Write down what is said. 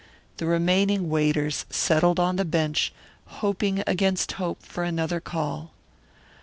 The remaining waiters settled on the bench, hoping against hope for another call.